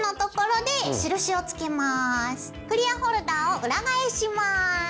クリアホルダーを裏返します。